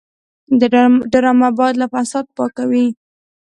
ډرامه باید له فساد پاکه وي